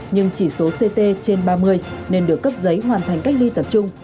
nhưng chỉ số ct trên ba mươi nên được cấp giấy hoàn thành cách ly tập trung